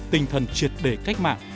tinh thần triệt đề cách mạng